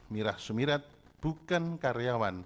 mirah sumirat bukan karyawan